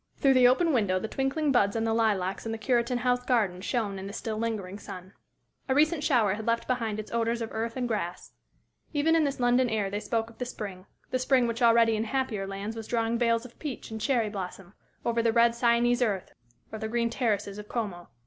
Through the open window the twinkling buds on the lilacs in the Cureton House garden shone in the still lingering sun. A recent shower had left behind it odors of earth and grass. Even in this London air they spoke of the spring the spring which already in happier lands was drawing veils of peach and cherry blossom, over the red Sienese earth or the green terraces of Como.